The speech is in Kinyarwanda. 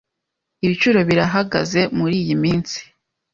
Ibiciro birahagaze muriyi minsi.